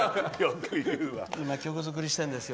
今、曲作りしてるんですよ。